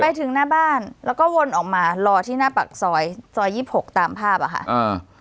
ไปถึงหน้าบ้านแล้วก็วนออกมารอที่หน้าปากซอยซอยยี่สิบหกตามภาพอ่ะค่ะอ่า